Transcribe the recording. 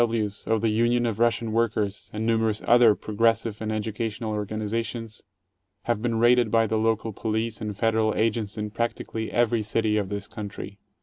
W. Ws., of the Union of Russian Workers, and numerous other 8 progressive and educational organizations, have been raided by the local police and Federal agents in practically every city of this country.